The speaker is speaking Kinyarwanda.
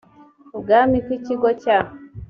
ibwami ko ikigo cya